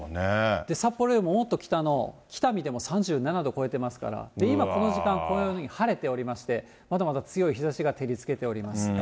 札幌よりもっと北の北見でも３７度超えてますから、今この時間、このように晴れておりまして、まだまだ強い日ざしが照りつけております。